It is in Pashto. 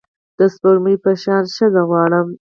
د سپوږمۍ په شان ښځه غواړم